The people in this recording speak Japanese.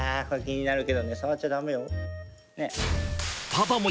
パパも